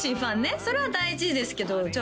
それは大事ですけどじゃあ